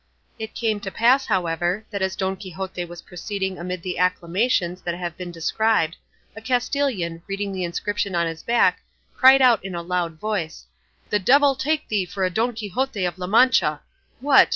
It came to pass, however, that as Don Quixote was proceeding amid the acclamations that have been described, a Castilian, reading the inscription on his back, cried out in a loud voice, "The devil take thee for a Don Quixote of La Mancha! What!